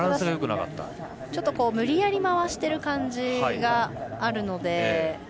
ちょっと無理やり回してる感じがあるので。